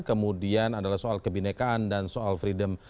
kemudian adalah soal kebinekaan dan soal freedom